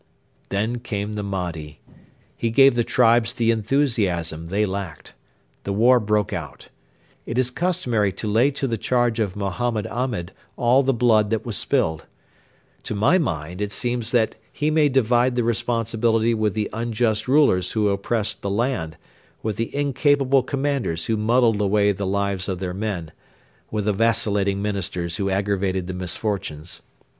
Then came the Mahdi. He gave the tribes the enthusiasm they lacked. The war broke out. It is customary to lay to the charge of Mohammed Ahmed all the blood that was spilled. To my mind it seems that he may divide the responsibility with the unjust rulers who oppressed the land, with the incapable commanders who muddled away the lives of their men, with the vacillating Ministers who aggravated the misfortunes.